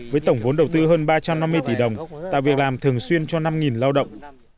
với tổng vốn đầu tư hơn ba trăm năm mươi tỷ đồng tạo việc làm thường xuyên cho năm lao động